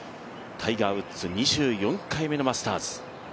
タイガー・ウッズ、２４回目のマスターズ。